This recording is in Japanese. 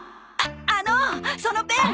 ああのそのペン。